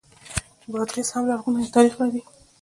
بادغیس هم لرغونی تاریخ لري